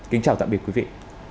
kính chào tạm biệt quý vị